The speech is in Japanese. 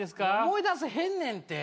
思い出せへんねんって。